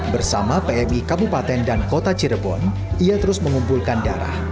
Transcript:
bersama pmi kabupaten dan kota cirebon ia terus mengumpulkan darah